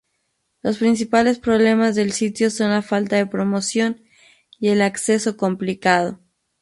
Los principales problemas del sitio son la falta de promoción y el acceso complicado.